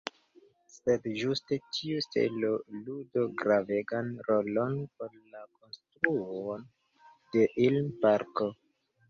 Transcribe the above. Sed ĝuste tiu "stelo" ludo gravegan rolon por la konstruo de Ilm-parko.